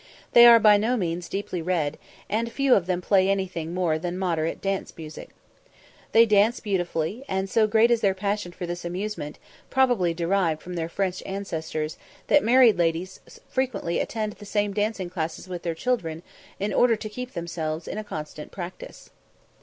They are by no means deeply read, and few of them play anything more than modern dance music. They dance beautifully, and so great is their passion for this amusement, probably derived from their French ancestors, that married ladies frequently attend the same dancing classes with their children, in order to keep themselves in constant practice.